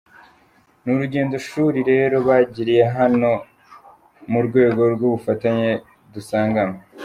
Ni urugendo shuri rero bagiriye hano mu rwego rw’ubufatanye dusanganywe”.